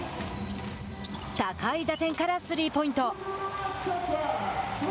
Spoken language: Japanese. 高い打点からスリーポイント。